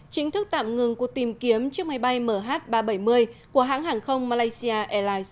chính thức tạm ngừng cuộc tìm kiếm chiếc máy bay mh ba trăm bảy mươi của hãng hàng không malaysia airlines